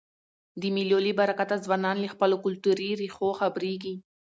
د مېلو له برکته ځوانان له خپلو کلتوري ریښو خبريږي.